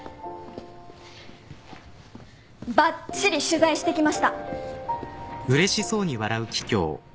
ばっちり取材してきました！